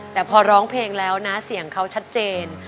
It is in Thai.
แต่พอร้องเพลงแล้วนะเสียงเขาชัดเจน